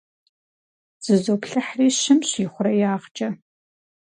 Зызоплъыхьри щымщ ихъуреягъкӏэ.